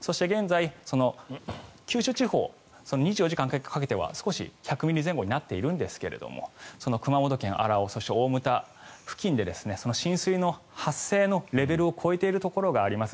そして現在、九州地方２４時間にかけては少し１００ミリ前後になっているんですが熊本県の荒尾そして大牟田付近で浸水の発生のレベルを超えているところがあります。